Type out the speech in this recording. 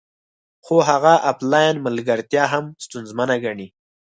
خو هغه افلاین ملګرتیا هم ستونزمنه ګڼي